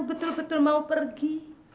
betul betul mau pergi